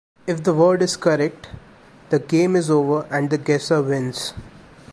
If the word is correct, the game is over and the guesser wins.